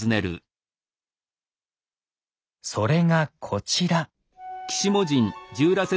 それがこちら。